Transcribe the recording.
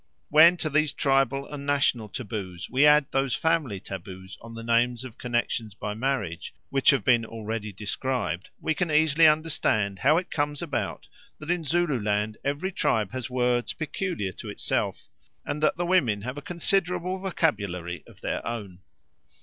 When to these tribal and national taboos we add those family taboos on the names of connexions by marriage which have been already described, we can easily understand how it comes about that in Zululand every tribe has words peculiar to itself, and that the women have a considerable vocabulary of their own.